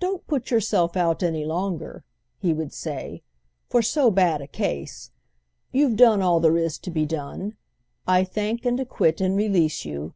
"Don't put yourself out any longer," he would say, "for so bad a case. You've done all there is to be done. I thank and acquit and release you.